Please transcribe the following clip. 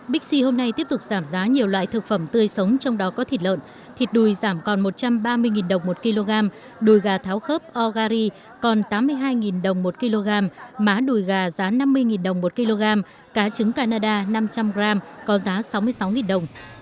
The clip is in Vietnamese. bixi hôm nay tiếp tục giảm giá nhiều loại thực phẩm tươi sống trong đó có thịt lợn thịt đùi giảm còn một trăm ba mươi đồng một kg đùi gà tháo khớp ogari còn tám mươi hai đồng một kg má đùi gà giá năm mươi đồng một kg cá trứng canada năm trăm linh g có giá sáu mươi sáu đồng